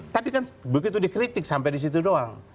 tapi kan begitu dikritik sampai disitu doang